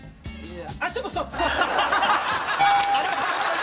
あっちょっとストップ！